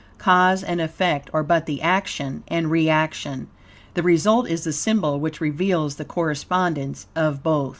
Cause and effect are but the action and reaction; the result is the symbol which reveals the correspondence of both.